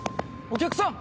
お客さん？